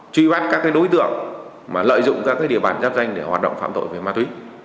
truy bắt các đối tượng lợi dụng các địa bàn giáp danh để hoạt động phạm tội về ma túy